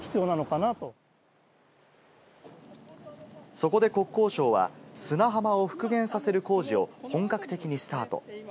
そこで国交省は砂浜を復元させる工事を本格的にスタート。